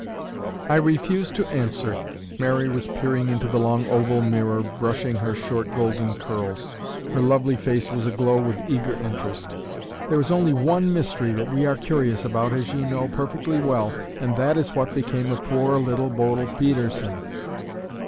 "I refuse to answer." Mary was peering into the long oval mirror brushing her short golden curls. Her lovely face was aglow with eager interest. "There is only one mystery that we are curious about as you know perfectly well and that is what became of poor Little Bodil Pedersen."